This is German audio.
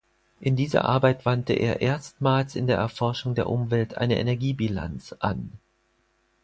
In dieser Arbeit wandte er erstmals in der Erforschung der Umwelt eine Energiebilanz an.